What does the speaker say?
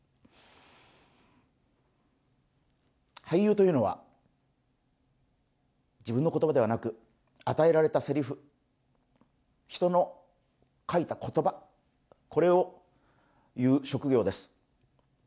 俳優というのは、自分の言葉ではなく、与えられたせりふ、人の書いた言葉、これを言う職業です。